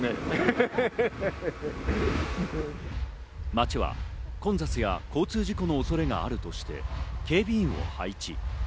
町は混雑や交通事故の恐れがあるとして警備員を配置。